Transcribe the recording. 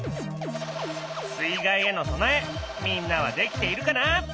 水害への備えみんなはできているかな？